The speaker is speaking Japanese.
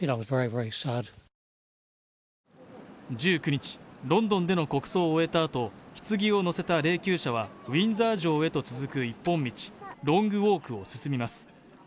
１９日、ロンドンでの国葬を終えたあと、ひつぎを載せた霊きゅう車はウィンザー城へと続く一本道、ロングウオークを進みます。